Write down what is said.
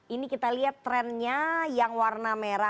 ini kita lihat trennya yang warna merah